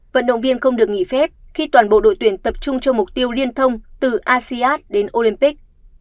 vận động viên không được nghỉ phép khi toàn bộ đội tuyển tập trung cho mục tiêu liên thông từ asean đến olympic